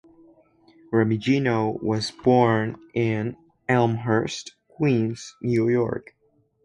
Remigino was born in Elmhurst, Queens, New York.